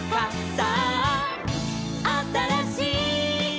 「さああたらしい」